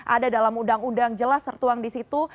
ada dalam undang undang jelas tertuang di situ